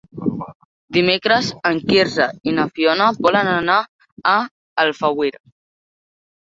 Dimecres en Quirze i na Fiona volen anar a Alfauir.